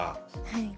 はい。